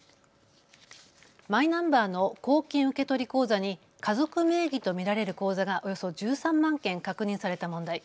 マイナンバーの公金受取口座に家族名義と見られる口座がおよそ１３万件確認された問題。